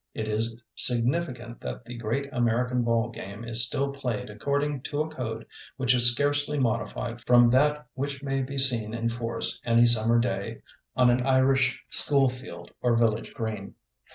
It is significant that the great American ball game is still played according to a code which is scarcely modified from that which may be seen in force any summer day on an Irish school field or village green.